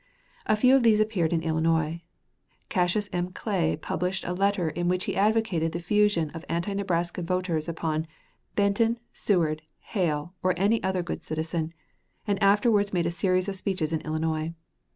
A few of these appeared in Illinois. Cassius M. Clay published a letter in which he advocated the fusion of anti Nebraska voters upon "Benton, Seward, Hale, or any other good citizen," and afterwards made a series of speeches in Illinois.